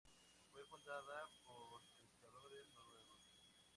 Fue fundada por pescadores noruegos.